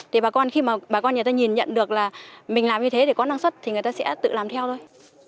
thì bà con khi mà bà con người ta nhìn nhận được là mình làm như thế để có năng suất thì người ta sẽ tự làm theo thôi